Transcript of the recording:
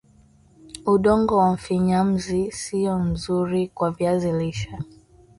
udongo wa mfinyamzi sio mzuri kwa viazi lishe